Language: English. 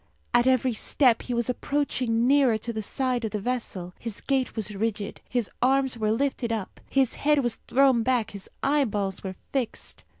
At every step he was approaching nearer to the side of the vessel. His gait was rigid, his arms were lifted up, his head was thrown back, his eyeballs were fixed.